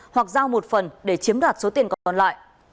hoặc giao một phần để chiếm đoạt số tiền còn còn lại